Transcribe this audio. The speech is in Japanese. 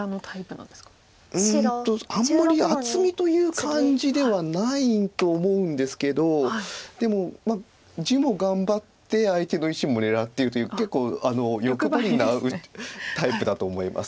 あんまり厚みという感じではないと思うんですけどでも地も頑張って相手の石も狙ってるという結構欲張りなタイプだと思います。